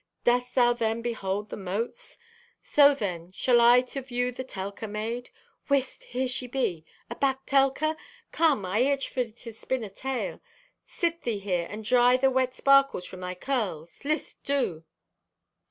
Dost thou then behold the motes? So, then, shall I to view the Telka maid. Whist! Here she be! Aback, Telka? Come, I itch for to spin a tale. Sit thee here and dry the wet sparkles from thy curls. List, do!